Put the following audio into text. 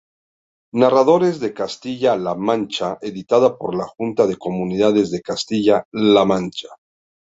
Narradores de Castilla-La Mancha", editada por la Junta de Comunidades de Castilla-La Mancha.